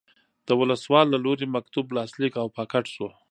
د ولسوال له لوري مکتوب لاسلیک او پاکټ شو.